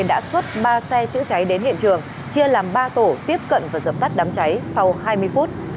đã xuất ba xe chữa cháy đến hiện trường chia làm ba tổ tiếp cận và dập tắt đám cháy sau hai mươi phút